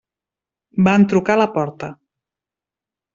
Van trucar a la porta.